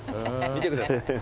見てください。